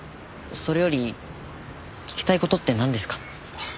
それより聞きたい事ってなんですか？